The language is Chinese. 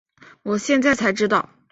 我现在才知道